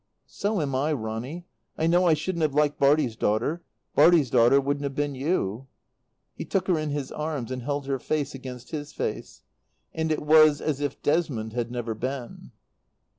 "So am I, Ronny. I know I shouldn't have liked Bartie's daughter. Bartie's daughter wouldn't have been you." He took her in his arms and held her face against his face. And it was as if Desmond had never been.